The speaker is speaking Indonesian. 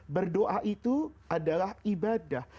berdoa itu adalah ibadah